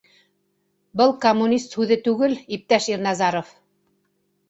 Был коммунист һүҙе түгел, иптәш Ирназаров!